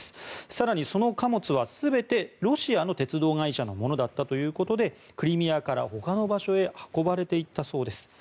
更に、その貨物は全てロシアの鉄道会社のものだったということでクリミアから、ほかの場所へ運ばれていったそうです。